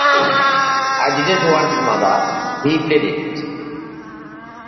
“I don’t want it, mother,” he pleaded.